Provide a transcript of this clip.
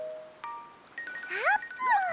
あーぷん！